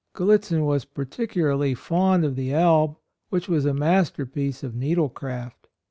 Gallitzin was particularly fond of the alb, which was a masterpiece of needlecraft.